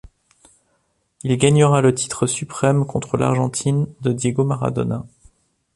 Il gagnera le titre suprême contre l'Argentine de Diego Maradona.